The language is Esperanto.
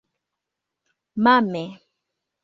Mame!